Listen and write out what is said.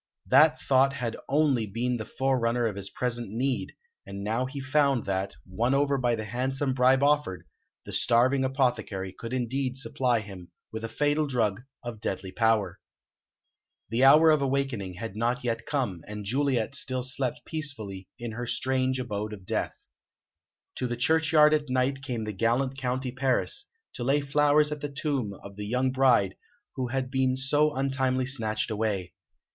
That thought had only been the forerunner of his present need, and now he found that, won over by the handsome bribe offered, the starving apothecary could indeed supply him with a fatal drug of deadly power. The hour of awakening had not yet come, and Juliet still slept peacefully in her strange abode of death. To the churchyard at night came the gallant County Paris, to lay flowers at the tomb of the young bride who had been so untimely snatched away.